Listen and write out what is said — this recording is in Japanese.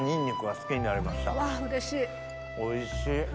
おいしい。